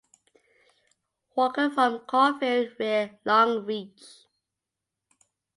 Walker from Corfield near Longreach.